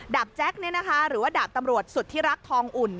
แจ๊คหรือว่าดาบตำรวจสุธิรักทองอุ่น